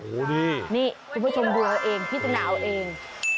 โอ้โหนี่คุณผู้ชมดูเอาเองพิจารณาเอาเอง